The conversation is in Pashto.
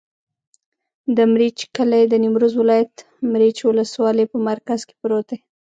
د مريچ کلی د نیمروز ولایت، مريچ ولسوالي په مرکز کې پروت دی.